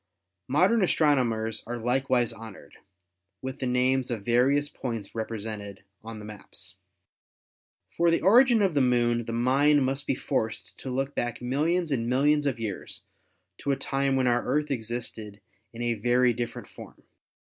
Modern astronomers are likewise honored with the names of various points represented on the maps. For the origin of the Moon the mind must be forced to look back millions and millions of years to a time when our Earth existed in a very different form.